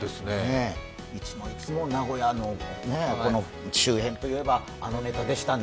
いつもいつも名古屋の周辺といえばあのネタでしたね。